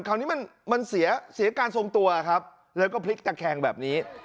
คราวนี้มันเสียการทรงตัวครับแล้วก็พลิกตะแคงแบบนี้